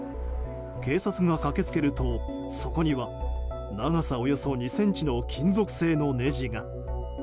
警察が駆け付けると、そこには長さおよそ２ｃｍの金属製のねじが。